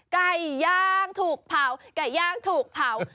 ไก่ย่างถูกเผาไก่ย่างถูกเผา